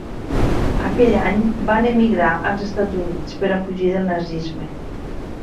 Aquell any van emigrar als Estats Units per a fugir del Nazisme.